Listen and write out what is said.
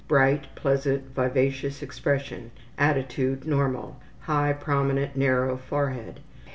Bright, pleasant, vivacious expression. Attitude normal. High, prominent, narrow forehead.